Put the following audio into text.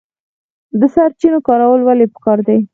د سرچینو کارول ولې پکار دي؟